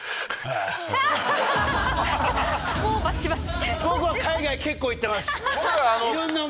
もうバチバチ！